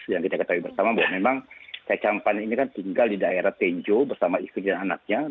yang kita ketahui bersama bahwa memang kaisang pan ini kan tinggal di daerah tenjo bersama istri dan anaknya